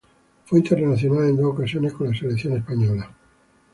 Fue internacional en dos ocasiones con la selección de España.